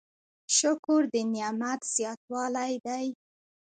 شکر د نعمت زیاتوالی دی؟